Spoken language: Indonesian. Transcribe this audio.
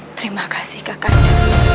terima kasih kakaknya